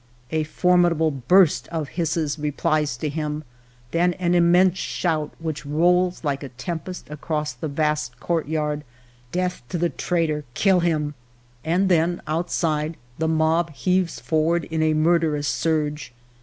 " A formidable burst of hisses replies to him, then an immense shout which rolls like a tempest across the vast courtyard :—"' Death to the traitor ! Kill him !' 70 FIVE YEARS OF MY LIFE "And then outside the mob heaves forward in a mur derous surge.